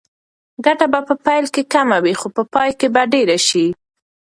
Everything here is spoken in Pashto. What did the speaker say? ګټه به په پیل کې کمه وي خو په پای کې به ډېره شي.